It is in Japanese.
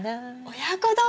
親子丼！